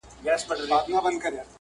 د دوى لپاره نرم يې